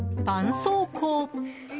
そうこう。